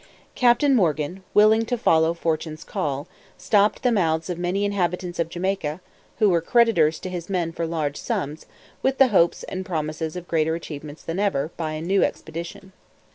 Captain Morgan, willing to follow Fortune's call, stopped the mouths of many inhabitants of Jamaica, who were creditors to his men for large sums, with the hopes and promises of greater achievements than ever, by a new expedition.